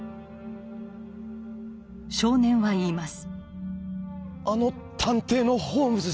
少年は言います。